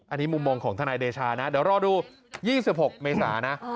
อันนี้มุมมองของทนายเดชานะเดี๋ยวรอดู๒๖เมษานะ